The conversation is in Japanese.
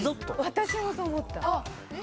私もそう思った。